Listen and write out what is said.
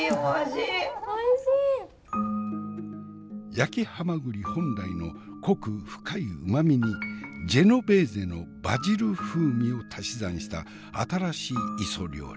焼きはまぐり本来の濃く深い旨みにジェノベーゼのバジル風味を足し算した新しい磯料理。